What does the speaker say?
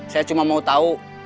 saya cuma mau tahu